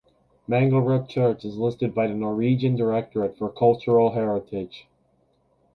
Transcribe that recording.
Manglerud Church is listed by the Norwegian Directorate for Cultural Heritage.